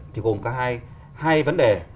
thì gồm cả hai vấn đề